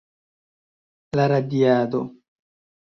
La radiado.